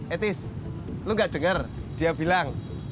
etis lu gak dengar dia bilang